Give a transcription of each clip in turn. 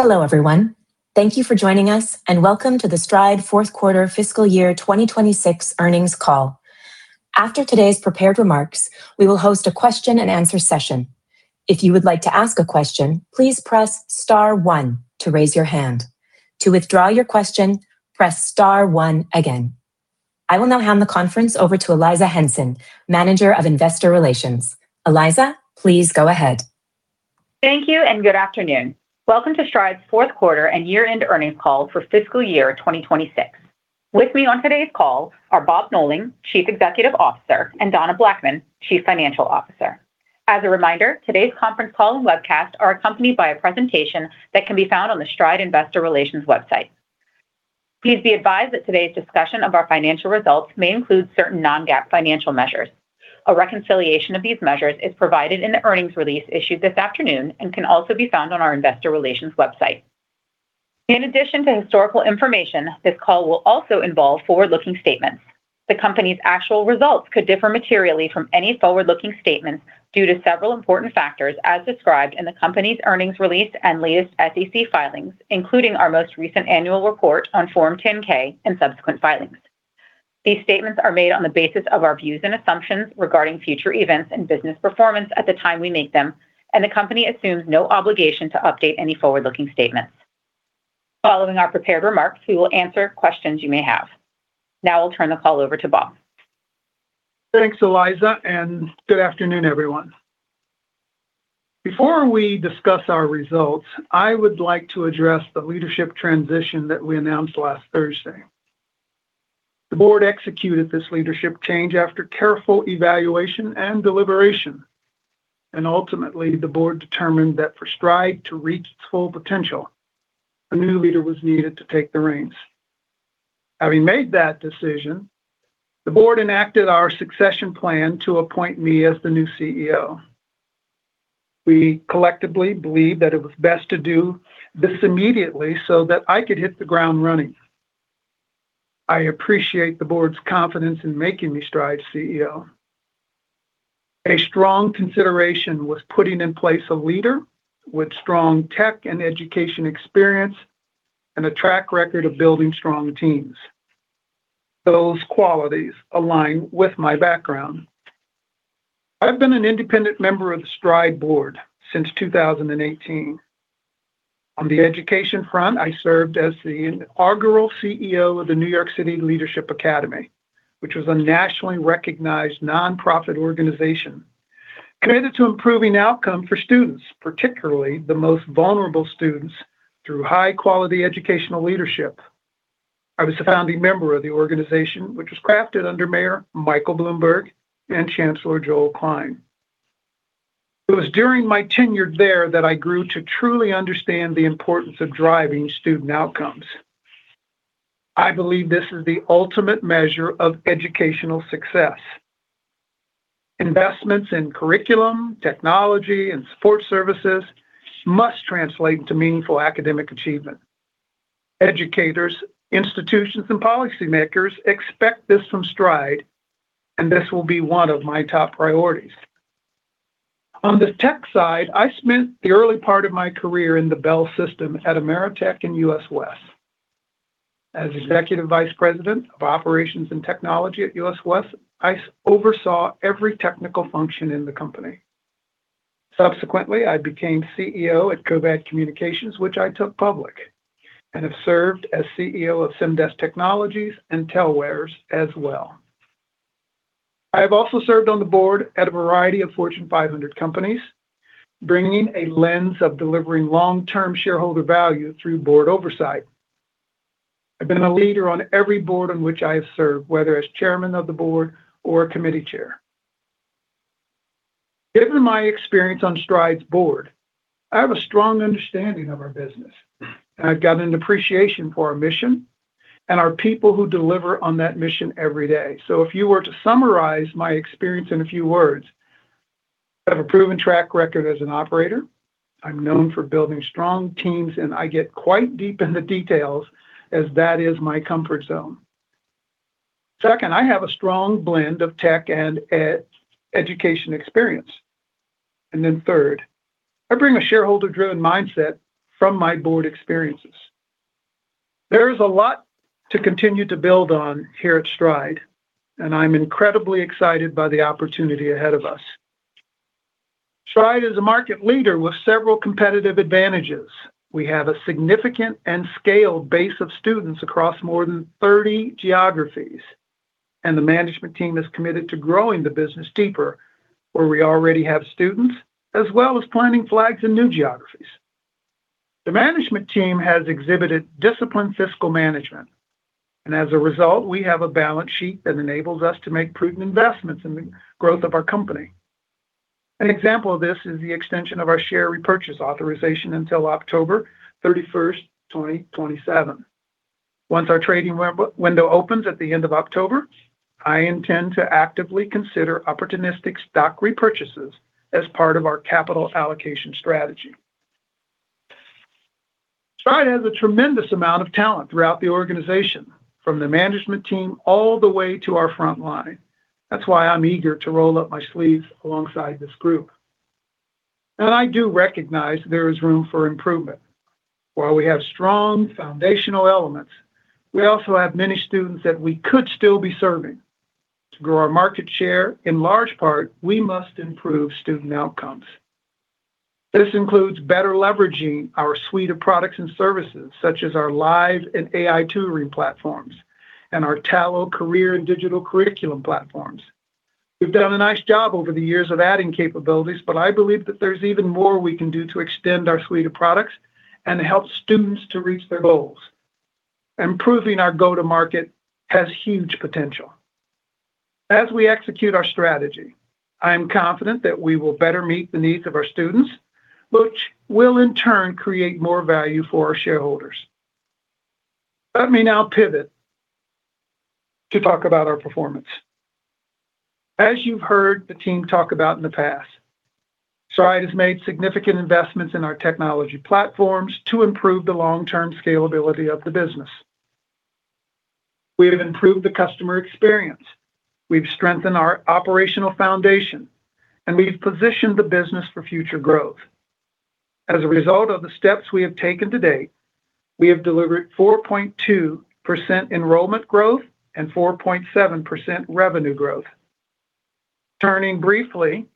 Hello, everyone. Thank you for joining us. Welcome to the Stride fourth quarter fiscal year 2026 earnings call. After today's prepared remarks, we will host a question and answer session. If you would like to ask a question, please press star one to raise your hand. To withdraw your question, press star one again. I will now hand the conference over to Eliza Henson, Manager of Investor Relations. Eliza, please go ahead. Thank you. Good afternoon. Welcome to Stride's fourth quarter and year-end earnings call for fiscal year 2026. With me on today's call are Bob Knowling, Chief Executive Officer, and Donna Blackman, Chief Financial Officer. As a reminder, today's conference call and webcast are accompanied by a presentation that can be found on the Stride investor relations website. Please be advised that today's discussion of our financial results may include certain non-GAAP financial measures. A reconciliation of these measures is provided in the earnings release issued this afternoon and can also be found on our investor relations website. In addition to historical information, this call will also involve forward-looking statements. The company's actual results could differ materially from any forward-looking statements due to several important factors as described in the company's earnings release and latest SEC filings, including our most recent annual report on Form 10-K and subsequent filings. These statements are made on the basis of our views and assumptions regarding future events and business performance at the time we make them. The company assumes no obligation to update any forward-looking statements. Following our prepared remarks, we will answer questions you may have. I'll turn the call over to Bob. Thanks, Eliza. Good afternoon, everyone. Before we discuss our results, I would like to address the leadership transition that we announced last Thursday. The board executed this leadership change after careful evaluation and deliberation. Ultimately, the board determined that for Stride to reach its full potential, a new leader was needed to take the reins. Having made that decision, the board enacted our succession plan to appoint me as the new CEO. We collectively believed that it was best to do this immediately so that I could hit the ground running. I appreciate the board's confidence in making me Stride's CEO. A strong consideration was putting in place a leader with strong tech and education experience and a track record of building strong teams. Those qualities align with my background. I've been an independent member of the Stride board since 2018. On the education front, I served as the inaugural CEO of the NYC Leadership Academy, which was a nationally recognized nonprofit organization committed to improving outcomes for students, particularly the most vulnerable students, through high-quality educational leadership. I was a founding member of the organization, which was crafted under Mayor Michael Bloomberg and Chancellor Joel Klein. It was during my tenure there that I grew to truly understand the importance of driving student outcomes. I believe this is the ultimate measure of educational success. Investments in curriculum, technology, and support services must translate into meaningful academic achievement. Educators, institutions, and policymakers expect this from Stride. This will be one of my top priorities. On the tech side, I spent the early part of my career in the Bell System at Ameritech and U.S. West. As Executive Vice President of Operations and Technology at U.S. West, I oversaw every technical function in the company. Subsequently, I became CEO at Covad Communications, which I took public, and have served as CEO of Symantec Technologies and Telwares as well. I have also served on the board at a variety of Fortune 500 companies, bringing a lens of delivering long-term shareholder value through board oversight. I've been a leader on every board on which I have served, whether as chairman of the board or committee chair. Given my experience on Stride's board, I have a strong understanding of our business. I've got an appreciation for our mission and our people who deliver on that mission every day. If you were to summarize my experience in a few words, I have a proven track record as an operator. I'm known for building strong teams, and I get quite deep in the details as that is my comfort zone. Second, I have a strong blend of tech and education experience. Then third, I bring a shareholder-driven mindset from my board experiences. There is a lot to continue to build on here at Stride. I'm incredibly excited by the opportunity ahead of us. Stride is a market leader with several competitive advantages. We have a significant and scaled base of students across more than 30 geographies. The management team is committed to growing the business deeper where we already have students, as well as planting flags in new geographies. The management team has exhibited disciplined fiscal management. As a result, we have a balance sheet that enables us to make prudent investments in the growth of our company. An example of this is the extension of our share repurchase authorization until October 31st, 2027. Once our trading window opens at the end of October, I intend to actively consider opportunistic stock repurchases as part of our capital allocation strategy. Stride has a tremendous amount of talent throughout the organization, from the management team all the way to our front line. That's why I'm eager to roll up my sleeves alongside this group. I do recognize there is room for improvement. While we have strong foundational elements, we also have many students that we could still be serving. To grow our market share, in large part, we must improve student outcomes. This includes better leveraging our suite of products and services, such as our live and AI tutoring platforms and our Tallo career and digital curriculum platforms. We've done a nice job over the years of adding capabilities, but I believe that there's even more we can do to extend our suite of products and help students to reach their goals. Improving our go-to-market has huge potential. As we execute our strategy, I am confident that we will better meet the needs of our students, which will in turn create more value for our shareholders. Let me now pivot to talk about our performance. As you've heard the team talk about in the past, Stride has made significant investments in our technology platforms to improve the long-term scalability of the business. We have improved the customer experience, we've strengthened our operational foundation, and we've positioned the business for future growth. As a result of the steps we have taken to date, we have delivered 4.2% enrollment growth and 4.7% revenue growth. Turning briefly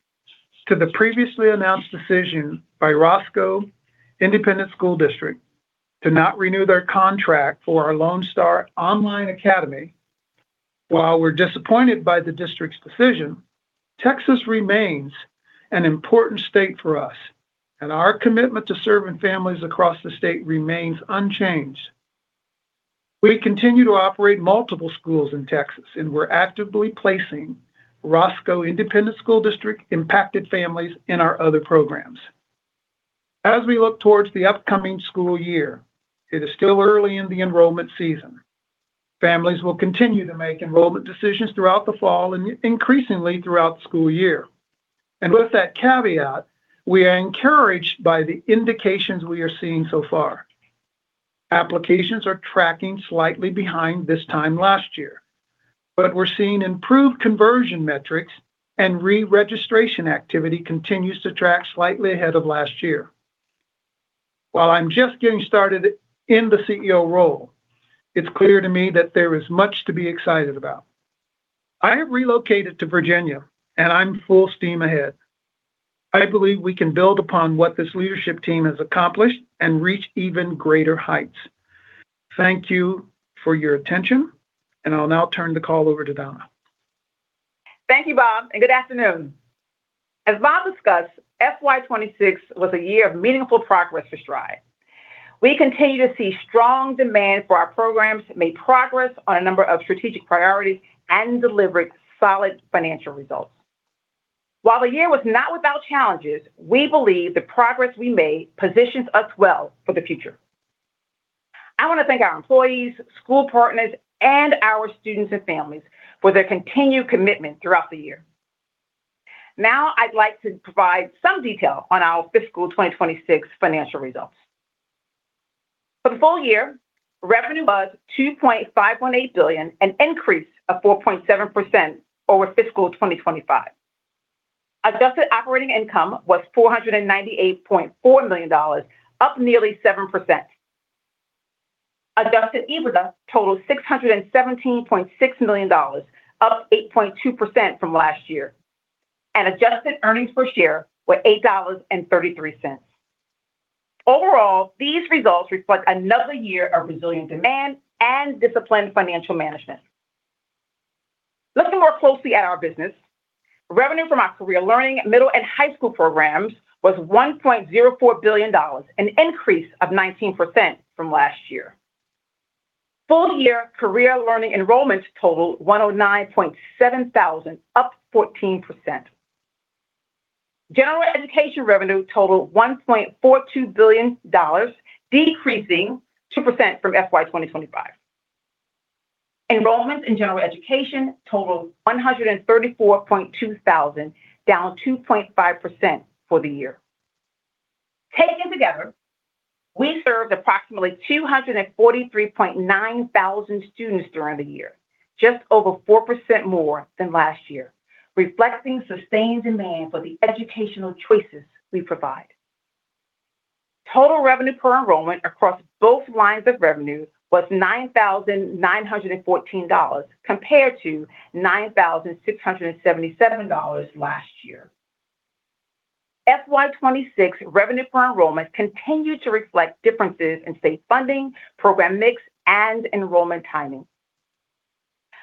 to the previously announced decision by Roscoe Independent School District to not renew their contract for our Lone Star Online Academy. While we're disappointed by the district's decision, Texas remains an important state for us, and our commitment to serving families across the state remains unchanged. We continue to operate multiple schools in Texas, and we're actively placing Roscoe Independent School District-impacted families in our other programs. As we look towards the upcoming school year, it is still early in the enrollment season. Families will continue to make enrollment decisions throughout the fall and increasingly throughout the school year. With that caveat, we are encouraged by the indications we are seeing so far. Applications are tracking slightly behind this time last year, but we're seeing improved conversion metrics and re-registration activity continues to track slightly ahead of last year. While I'm just getting started in the CEO role, it's clear to me that there is much to be excited about. I have relocated to Virginia, and I'm full steam ahead. I believe we can build upon what this leadership team has accomplished and reach even greater heights. Thank you for your attention, I'll now turn the call over to Donna. Thank you, Bob, and good afternoon. As Bob discussed, FY 2026 was a year of meaningful progress for Stride. We continue to see strong demand for our programs, made progress on a number of strategic priorities, and delivered solid financial results. While the year was not without challenges, we believe the progress we made positions us well for the future. I want to thank our employees, school partners, and our students and families for their continued commitment throughout the year. I'd like to provide some detail on our fiscal 2026 financial results. For the full year, revenue was $2.518 billion, an increase of 4.7% over fiscal 2025. Adjusted operating income was $498.4 million, up nearly 7%. Adjusted EBITDA totaled $617.6 million, up 8.2% from last year. Adjusted earnings per share were $8.33. Overall, these results reflect another year of resilient demand and disciplined financial management. Looking more closely at our business, revenue from our Career Learning middle and high school programs was $1.04 billion, an increase of 19% from last year. Full year Career Learning enrollments totaled 109.7 thousand, up 14%. General Education revenue totaled $1.42 billion, decreasing 2% from FY 2025. Enrollments in General Education totaled 134.2 thousand, down 2.5% for the year. Taken together, we served approximately 243.9 thousand students during the year, just over 4% more than last year, reflecting sustained demand for the educational choices we provide. Total revenue per enrollment across both lines of revenue was $9,914, compared to $9,677 last year. FY 2026 revenue per enrollment continued to reflect differences in state funding, program mix, and enrollment timing.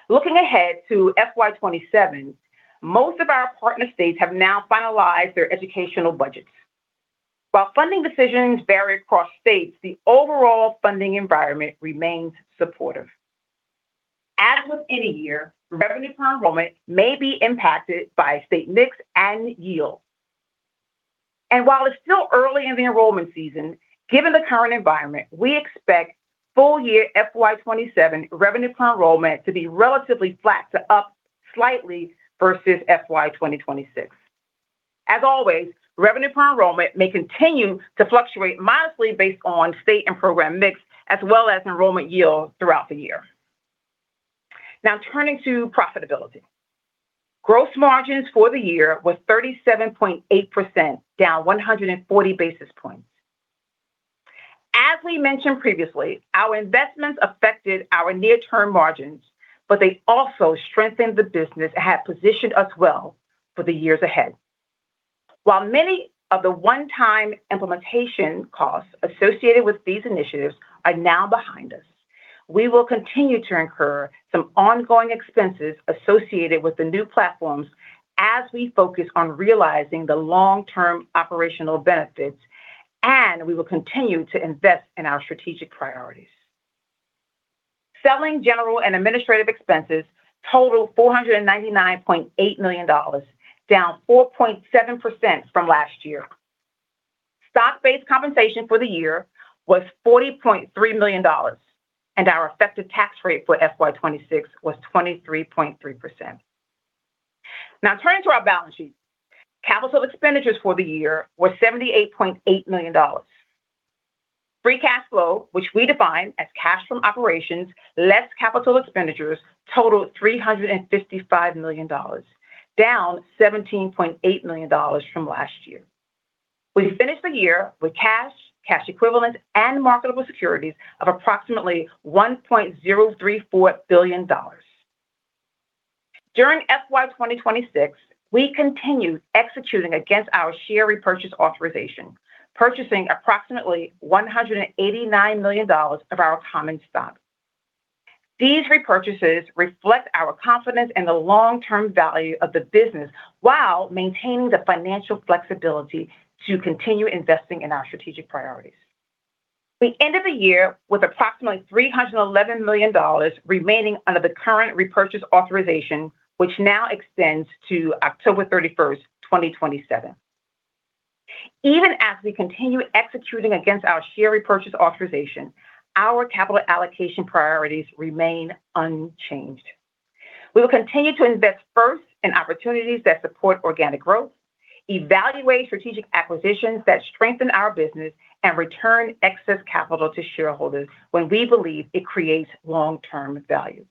Looking ahead to FY 2027, most of our partner states have now finalized their educational budgets. While funding decisions vary across states, the overall funding environment remains supportive. As with any year, revenue per enrollment may be impacted by state mix and yield. While it's still early in the enrollment season, given the current environment, we expect full year FY 2027 revenue per enrollment to be relatively flat to up slightly versus FY 2026. As always, revenue per enrollment may continue to fluctuate modestly based on state and program mix, as well as enrollment yield throughout the year. Now turning to profitability. Gross margins for the year were 37.8%, down 140 basis points. As we mentioned previously, our investments affected our near-term margins, but they also strengthened the business and have positioned us well for the years ahead. While many of the one-time implementation costs associated with these initiatives are now behind us, we will continue to incur some ongoing expenses associated with the new platforms as we focus on realizing the long-term operational benefits, and we will continue to invest in our strategic priorities. Selling General and Administrative expenses totaled $499.8 million, down 4.7% from last year. Stock-based compensation for the year was $40.3 million, and our effective tax rate for FY 2026 was 23.3%. Now turning to our balance sheet. Capital expenditures for the year were $78.8 million. Free cash flow, which we define as cash from operations, less capital expenditures, totaled $355 million, down $17.8 million from last year. We finished the year with cash equivalents, and marketable securities of approximately $1.034 billion. During FY 2026, we continued executing against our share repurchase authorization, purchasing approximately $189 million of our common stock. These repurchases reflect our confidence in the long-term value of the business while maintaining the financial flexibility to continue investing in our strategic priorities. We end of the year with approximately $311 million remaining under the current repurchase authorization, which now extends to October 31st, 2027. Even as we continue executing against our share repurchase authorization, our capital allocation priorities remain unchanged. We will continue to invest first in opportunities that support organic growth, evaluate strategic acquisitions that strengthen our business, and return excess capital to shareholders when we believe it creates long-term value.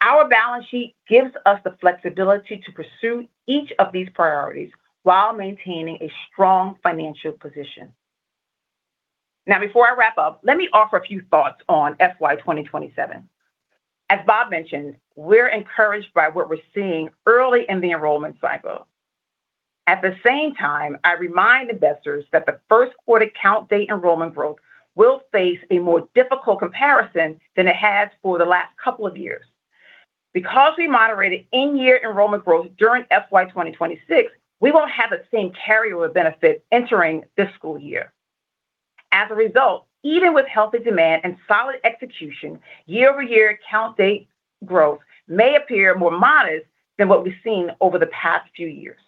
Our balance sheet gives us the flexibility to pursue each of these priorities while maintaining a strong financial position. Now, before I wrap up, let me offer a few thoughts on FY 2027. As Bob mentioned, we're encouraged by what we're seeing early in the enrollment cycle. At the same time, I remind investors that the first-quarter count date enrollment growth will face a more difficult comparison than it has for the last couple of years. Because we moderated in-year enrollment growth during FY 2026, we won't have the same carryover benefit entering this school year. As a result, even with healthy demand and solid execution, year-over-year count date growth may appear more modest than what we've seen over the past few years.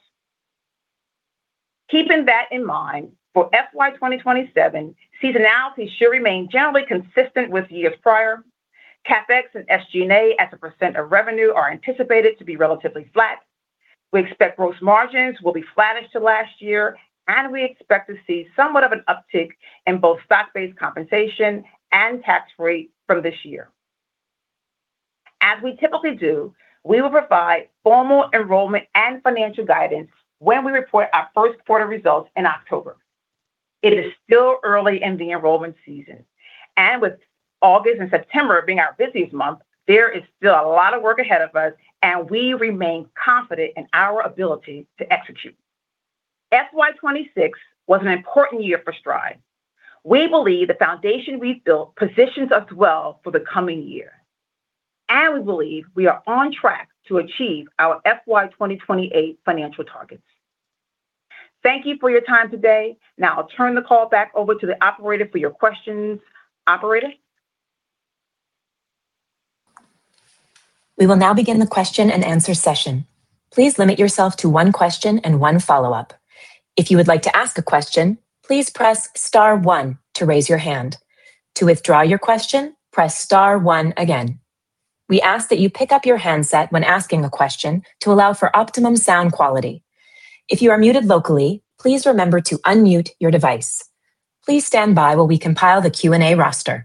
Keeping that in mind, for FY 2027, seasonality should remain generally consistent with years prior. CapEx and SG&A as a % of revenue are anticipated to be relatively flat. We expect growth margins will be flattish to last year, and we expect to see somewhat of an uptick in both stock-based compensation and tax rate from this year. As we typically do, we will provide formal enrollment and financial guidance when we report our first quarter results in October. It is still early in the enrollment season, and with August and September being our busiest months, there is still a lot of work ahead of us, and we remain confident in our ability to execute. FY 2026 was an important year for Stride. We believe the foundation we've built positions us well for the coming year, and we believe we are on track to achieve our FY 2028 financial targets. Thank you for your time today. I'll turn the call back over to the operator for your questions. Operator? We will now begin the question and answer session. Please limit yourself to one question and one follow-up. If you would like to ask a question, please press star one to raise your hand. To withdraw your question, press star one again. We ask that you pick up your handset when asking a question to allow for optimum sound quality. If you are muted locally, please remember to unmute your device. Please stand by while we compile the Q&A roster.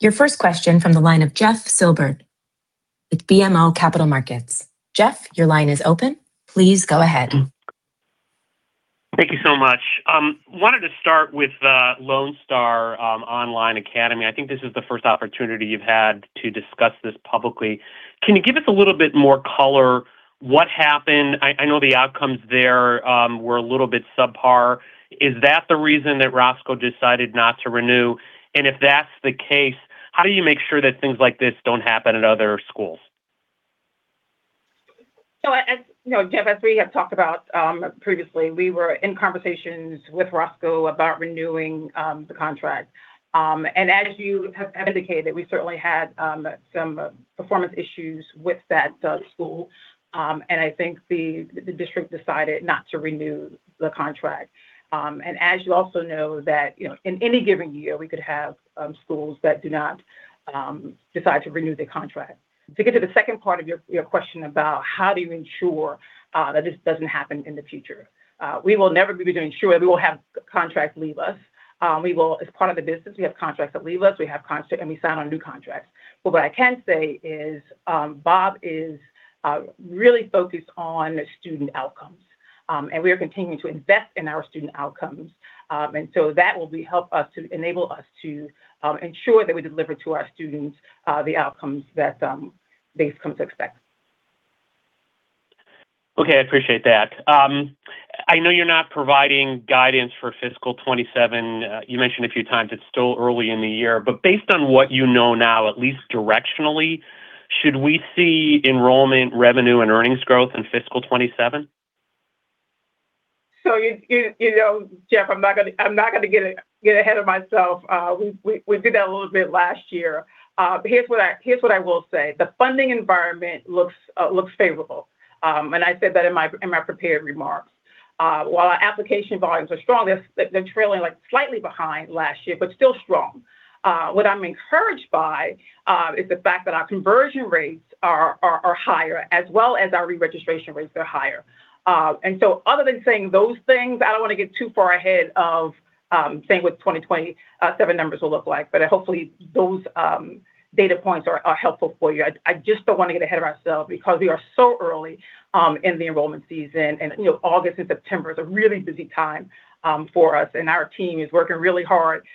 Your first question from the line of Jeff Silber with BMO Capital Markets. Jeff, your line is open. Please go ahead. Thank you so much. Wanted to start with Lone Star Online Academy. I think this is the first opportunity you've had to discuss this publicly. Can you give us a little bit more color what happened? I know the outcomes there were a little bit subpar. Is that the reason that Roscoe decided not to renew? And if that's the case, how do you make sure that things like this don't happen at other schools? As you know, Jeff Silber, as we have talked about previously, we were in conversations with Roscoe about renewing the contract. As you have indicated, we certainly had some performance issues with that school. I think the district decided not to renew the contract. As you also know that, in any given year, we could have schools that do not decide to renew their contract. To get to the second part of your question about how do you ensure that this doesn't happen in the future. We will never be able to ensure. We will have contracts leave us. As part of the business, we have contracts that leave us, and we sign on new contracts. What I can say is Bob Knowling is really focused on student outcomes. We are continuing to invest in our student outcomes. That will help us to enable us to ensure that we deliver to our students the outcomes that they've come to expect. Okay. I appreciate that. I know you're not providing guidance for fiscal 2027. You mentioned a few times it's still early in the year. Based on what you know now, at least directionally, should we see enrollment revenue and earnings growth in fiscal 2027? Jeff Silber, I'm not going to get ahead of myself. We did that a little bit last year. Here's what I will say. The funding environment looks favorable. I said that in my prepared remarks. While our application volumes are strong, they're trailing slightly behind last year, but still strong. What I'm encouraged by is the fact that our conversion rates are higher as well as our re-registration rates are higher. Other than saying those things, I don't want to get too far ahead of saying what 2027 numbers will look like. Hopefully those data points are helpful for you. I just don't want to get ahead of ourselves because we are so early in the enrollment season. August and September is a really busy time for us, and our team is working really hard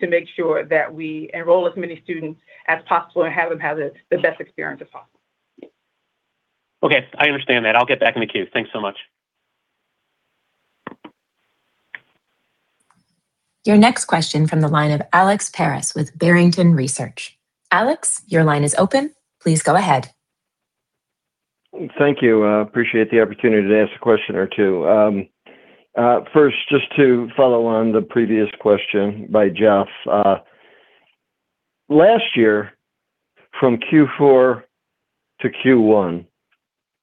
to make sure that we enroll as many students as possible and have them have the best experience as possible. Okay. I understand that. I'll get back in the queue. Thanks so much. Your next question from the line of Alex Paris with Barrington Research. Alex, your line is open. Please go ahead. Thank you. I appreciate the opportunity to ask a question or two. First, just to follow on the previous question by Jeff. Last year, from Q4 to Q1,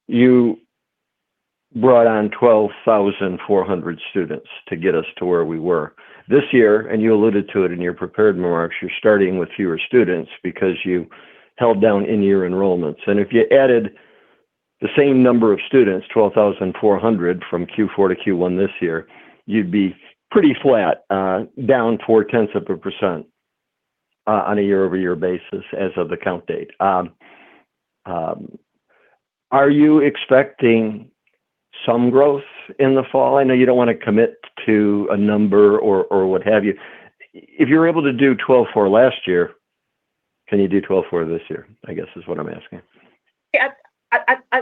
you brought on 12,400 students to get us to where we were. This year, you alluded to it in your prepared remarks, you're starting with fewer students because you held down in-year enrollments. If you added the same number of students, 12,400 from Q4 to Q1 this year, you'd be pretty flat, down four-tenths of a % on a year-over-year basis as of the count date. Are you expecting some growth in the fall? I know you don't want to commit to a number or what have you. If you were able to do 12,400 last year, can you do 12,400 this year, I guess is what I'm asking. Yeah.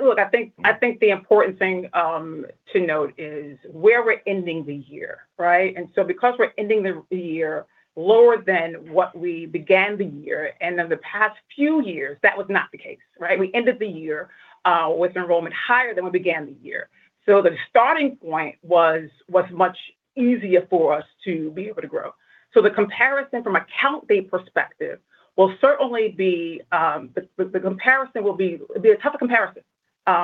Look, I think the important thing to note is where we're ending the year, right? Because we're ending the year lower than what we began the year, and in the past few years, that was not the case, right? We ended the year with enrollment higher than we began the year. The starting point was much easier for us to be able to grow. The comparison from a count date perspective will certainly be a tough comparison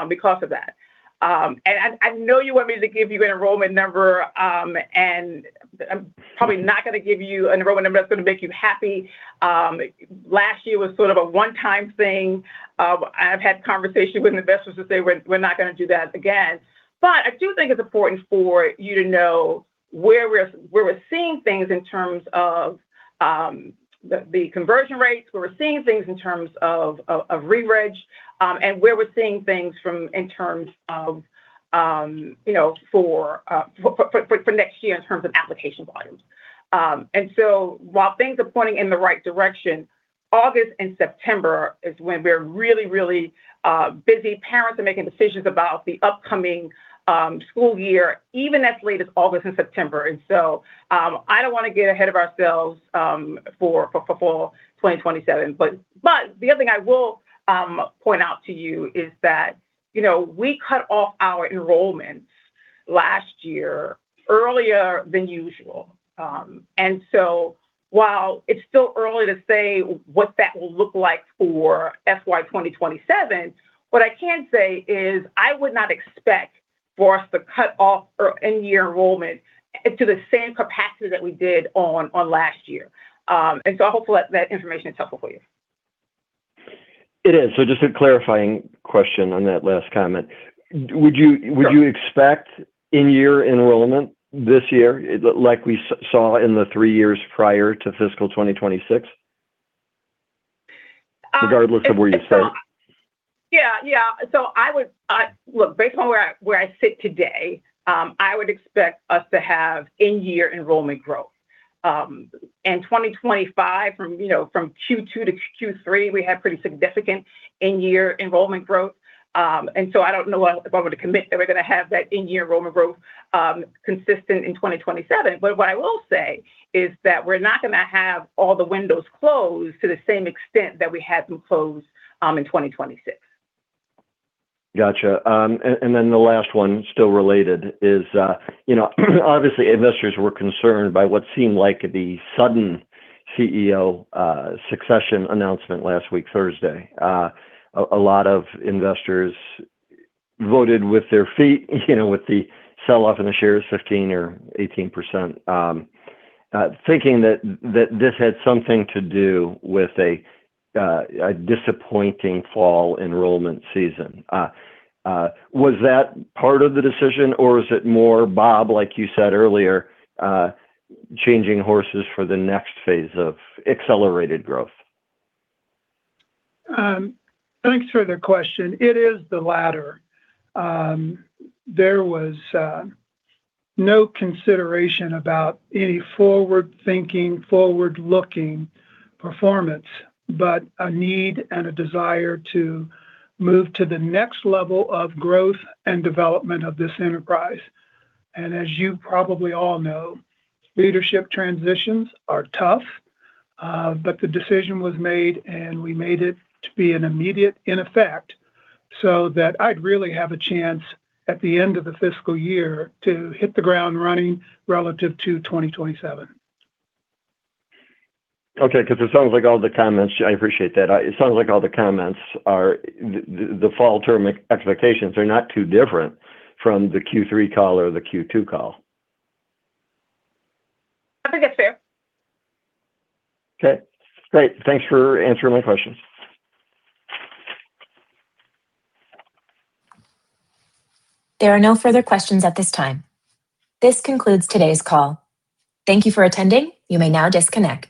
because of that. I know you want me to give you an enrollment number, and I'm probably not going to give you an enrollment number that's going to make you happy. Last year was sort of a one-time thing. I've had conversations with investors that say we're not going to do that again. I do think it's important for you to know where we're seeing things in terms of the conversion rates, where we're seeing things in terms of re-reg, and where we're seeing things in terms of for next year in terms of application volumes. While things are pointing in the right direction, August and September is when we're really, really busy. Parents are making decisions about the upcoming school year, even as late as August and September. I don't want to get ahead of ourselves for fall 2027. The other thing I will point out to you is that we cut off our enrollments last year earlier than usual. While it's still early to say what that will look like for FY 2027, what I can say is I would not expect for us to cut off our in-year enrollment to the same capacity that we did on last year. I hope that information is helpful for you. It is. Just a clarifying question on that last comment. Would you expect in-year enrollment this year, like we saw in the three years prior to FY 2026? Regardless of where you start. Look, based on where I sit today, I would expect us to have in-year enrollment growth. In 2025, from Q2 to Q3, we had pretty significant in-year enrollment growth. So I don't know if I would commit that we're going to have that in-year enrollment growth consistent in 2027. What I will say is that we're not going to have all the windows closed to the same extent that we had them closed in 2026. Got you. Then the last one, still related, is obviously, investors were concerned by what seemed like the sudden CEO succession announcement last week, Thursday. A lot of investors voted with their feet, with the sell-off in the shares 15% or 18%, thinking that this had something to do with a disappointing fall enrollment season. Was that part of the decision, or is it more, Bob, like you said earlier, changing horses for the next phase of accelerated growth? Thanks for the question. It is the latter. There was no consideration about any forward-thinking, forward-looking performance, but a need and a desire to move to the next level of growth and development of this enterprise. As you probably all know, leadership transitions are tough. The decision was made, and we made it to be an immediate in effect, so that I'd really have a chance at the end of the fiscal year to hit the ground running relative to 2027. Okay, because it sounds like all the comments I appreciate that. It sounds like all the comments are the fall term expectations are not too different from the Q3 call or the Q2 call. I think that's fair. Okay, great. Thanks for answering my questions. There are no further questions at this time. This concludes today's call. Thank you for attending. You may now disconnect.